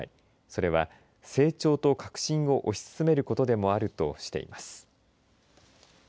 それは、成長と革新を推し進めることでもあるとしています。